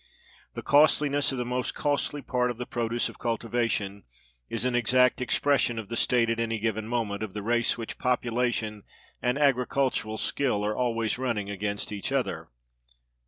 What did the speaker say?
The costliness of the most costly part of the produce of cultivation is an exact expression of the state, at any given moment, of the race which population and agricultural skill are always running against each other.